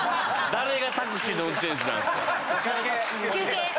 誰がタクシーの運転手なんすか⁉休憩？